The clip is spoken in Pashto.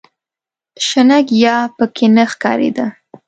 شنه ګیاه په کې نه ښکارېده.